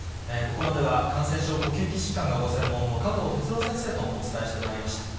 ここまでは、感染症、呼吸器疾患がご専門の加藤哲朗先生とお伝えしてまいりました。